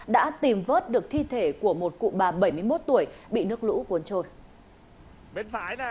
đã tìm vớt được thi thể của một cụ bà bảy mươi một tuổi bị nước lũ cuốn trôi